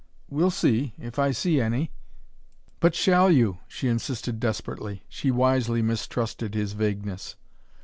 "We'll see if I see any " "But SHALL you?" she insisted desperately. She wisely mistrusted his vagueness.